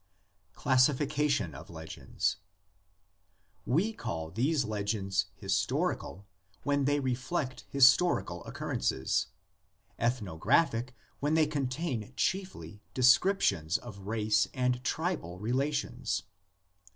CLASSIFICATION OF LEGENDS. We call these legends "historical" when they reflect historical occurrences, "ethnographic" when they contain chiefly descriptions of race and tribal relations.